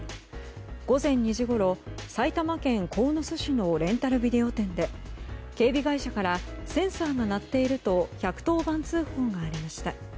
午前２時ごろ、埼玉県鴻巣市のレンタルビデオ店で警備会社からセンサーが鳴っていると１１０番通報がありました。